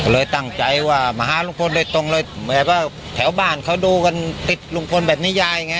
เลยตั้งใจว่างมาหารุงพลฯไว้ตรงแถวบ้านเขาดูกันติดรุงพลฯแบบนิยายส์ไง